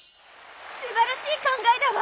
すばらしい考えだわ！